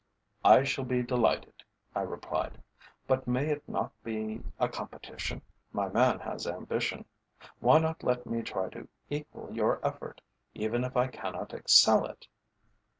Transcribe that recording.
"I shall be delighted," I replied. "But may it not be a competition? My man has ambition. Why not let me try to equal your effort, even if I cannot excel it?"